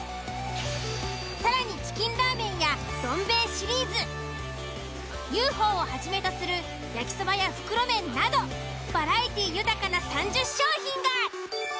更にチキンラーメンやどん兵衛シリーズＵ．Ｆ．Ｏ．をはじめとする焼そばや袋麺などバラエティー豊かな３０商品が。